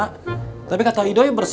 kita sudah ke tienen